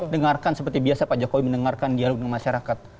dengarkan seperti biasa pak jokowi mendengarkan dialog dengan masyarakat